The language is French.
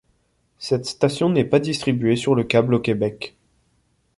Cette station n'est pas distribuée sur le câble au Québec.